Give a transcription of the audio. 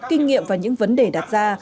kinh nghiệm và những vấn đề đặt ra